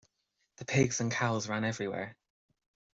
The pigs and cows ran everywhere.